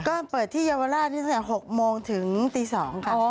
ก็เปิดที่เยาวราชตั้งแต่๖โมงถึงตี๒ค่ะ